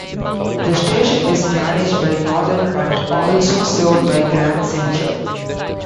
The station is managed by Northern but also served by Grand Central.